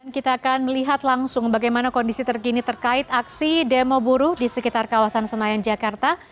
kita akan melihat langsung bagaimana kondisi terkini terkait aksi demo buruh di sekitar kawasan senayan jakarta